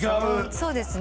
そうですね。